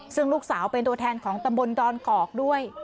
ซึ่งลูกสาวเป็นตัวแทนของตำบลดอนกอกด้วย